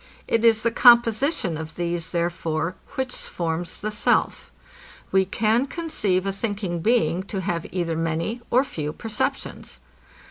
It is the composition of these, therefore, which forms the self. We can conceive a thinking being to have either many or few perceptions.